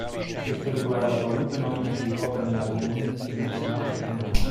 Questo riguarda qualunque nomina si ricopre nella community nazionale e non.